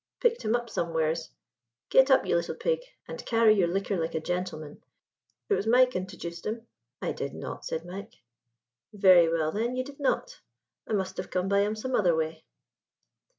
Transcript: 'Picked him up, somewheres Get up, you little pig, and carry your liquor like a gentleman. It was Mike intojuced him." "I did not," said Mike. "Very well, then, ye did not. I must have come by him some other way."